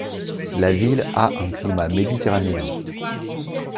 La ville a un climat méditerranéen.